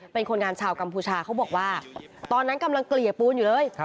เป็นคนงานชาวกัมพูชาเขาบอกว่าตอนนั้นกำลังเกลี่ยปูนอยู่เลย